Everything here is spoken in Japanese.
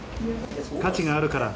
価値があるから。